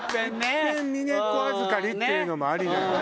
いっぺん峰子預かりっていうのもありだよね。